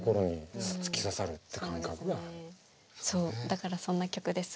そうだからそんな曲です。